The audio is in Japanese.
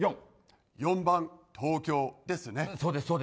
４番、東京ですね？